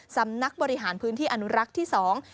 สำนักบริหารพื้นที่อนุรักษ์ที่สอง